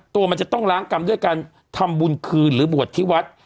ตัวมันจะต้องล้างกรรมด้วยการทำบุญคืนหรือบวชที่วัด